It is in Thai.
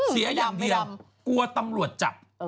เสียอย่างเดียวกลัวตำรวจจับ